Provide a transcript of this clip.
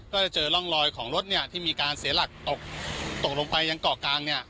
ก็จะเจอร่องรอยของรถเนี่ยที่มีการเสียหลักตกตกลงไปยังเกาะกลาง